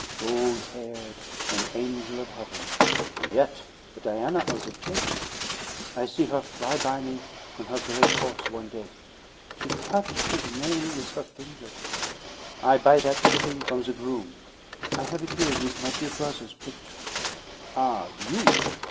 Gold haired, an angel of heaven, and yet a Diana of the chase! I see her fly by me on her great horse one day; she touch' his mane with her fingers. I buy that clipping from the groom. I have it here with my dear brother's picture. Ah, you!